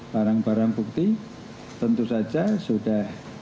barang barang bukti tentu saja sudah